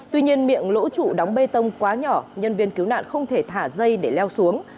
tuy nhiên miệng lỗ trụ đóng bê tông quá nhỏ nhân viên cứu nạn không thể thả dây để leo xuống